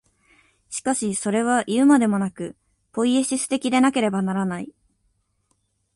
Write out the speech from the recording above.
しかしそれはいうまでもなく、ポイエシス的でなければならない。